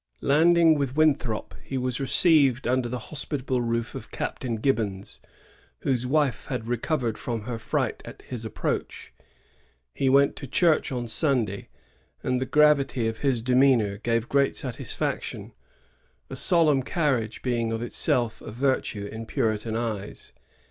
Landing with Winthrop, he was received imder the hospitable roof of Captain Gibbons, whose wife had recovered from her fright at his approach. He went to church on Sunday, and the gravity of his demeanor gave great satisfaction, — a solemn carriage being of itself a virtue in Puritan eyes.